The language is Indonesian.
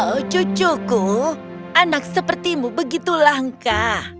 oh cucuku anak sepertimu begitu langka